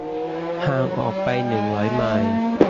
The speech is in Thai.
ห่างออกไปหนึ่งร้อยไมล์